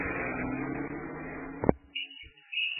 These operations caused epidemic plague outbreaks.